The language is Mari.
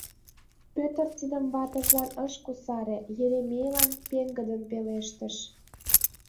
Пӧтыр тидым ватыжлан ыш кусаре, Еремейлан пеҥгыдын пелештыш: